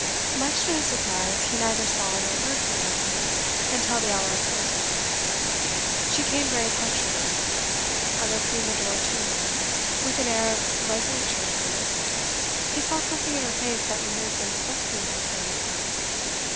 Much to his surprise, he neither saw nor heard from Nancy until the hour appointed. She came very punctually. On opening the door to her, with an air of resolute cheerfulness, he saw something in her face that removed the necessity for playing a part.